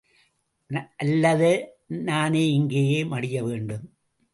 அல்லது நான் இங்கேயே மடிய வேண்டும்!